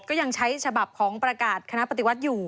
ก็ยังใช้ฉบับของประกาศคณะปฏิวัติอยู่